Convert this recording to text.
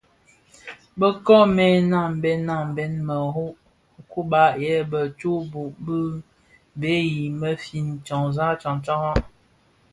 Bë nkoomèn nnabsèn nabsèn bero kōba yè bë tsōō bōō bi bhee i mefye tsaň tsaňraň.